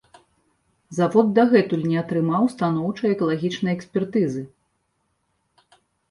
Завод дагэтуль не атрымаў станоўчай экалагічнай экспертызы.